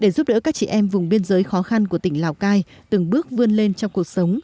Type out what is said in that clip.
để giúp đỡ các chị em vùng biên giới khó khăn của tỉnh lào cai từng bước vươn lên trong cuộc sống